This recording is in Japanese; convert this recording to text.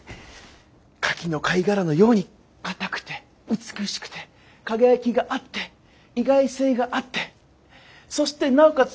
カキの貝殻のように硬くて美しくて輝きがあって意外性があってそしてなおかつ